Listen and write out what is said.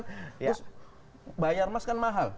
terus bayar emas kan mahal